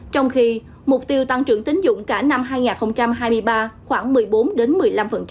trong khi mục tiêu tăng trưởng tín dụng cả năm hai nghìn hai mươi ba khoảng một mươi bốn triệu